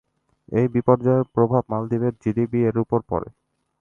এই বিপর্যয়ের প্রভাব মালদ্বীপের জিডিপি এর উপরও পরে।